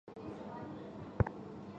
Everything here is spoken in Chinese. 曾任宰相。